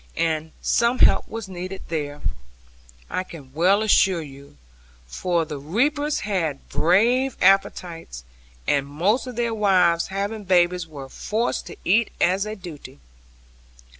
And some help was needed there, I can well assure you; for the reapers had brave appetites, and most of their wives having babies were forced to eat as a duty.